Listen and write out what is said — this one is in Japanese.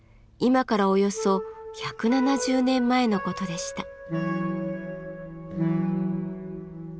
今からおよそ１７０年前の事でした。